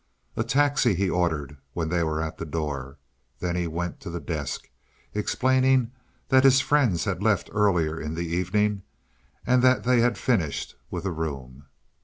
"A taxi," he ordered when they were at the door. Then he went to the desk, explaining that his friends had left earlier in the evening and that they had finished with the room.